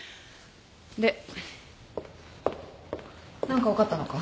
で何か分かったのか？